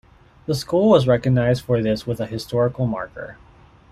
The school was recognized for this with a historical marker.